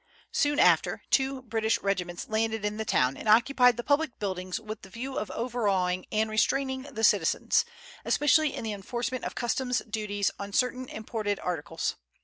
Soon after, two British regiments landed in the town, and occupied the public buildings with the view of overawing and restraining the citizens, especially in the enforcement of customs duties on certain imported articles.